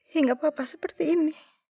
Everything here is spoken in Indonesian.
hingga papa seperti ini